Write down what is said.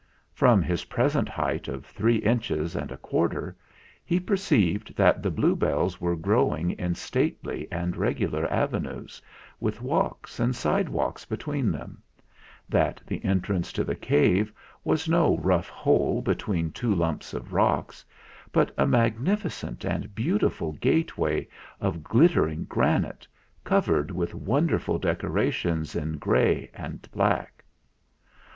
From his present height of three inches and a quarter he per ceived that the bluebells were growing in stately and regular avenues, with walks and sidewalks between them; that the entrance to the cave 96 THE FLINT HEART was no rough hole between two lumps of rocks, but a magnificent and beautiful gateway of glit tering granite covered with wonderful decora tions in grey and black.